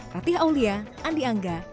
ratih aulia andi angga